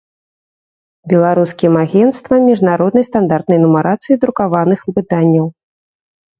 Беларускiм агенцтвам мiжнароднай стандартнай нумарацыi друкаваных выданняў.